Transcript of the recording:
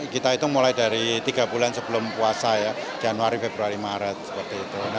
kita itu mulai dari tiga bulan sebelum puasa januari februari maret